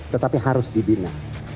tetapi harus dibina